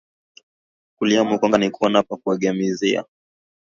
Kulia mukongo nikuona pa kuuegamizia